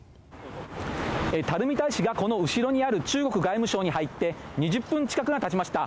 垂大使が、この後ろにある中国外務省に入って２０分近くがたちました。